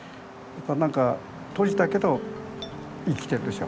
何か閉じたけど生きてるでしょ。